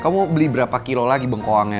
kamu beli berapa kilo lagi bengkoangnya